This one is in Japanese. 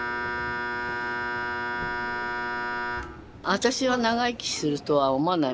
私は長生きするとは思わない。